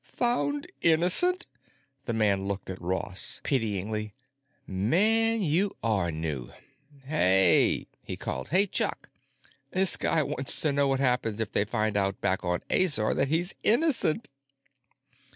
"Found innocent?" The man looked at Ross pityingly. "Man, you are new. Hey," he called. "Hey, Chuck! This guy wants to know what happens if they find out back on Azor that he's innocent!"